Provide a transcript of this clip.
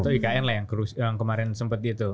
atau ikn lah yang kemarin sempat gitu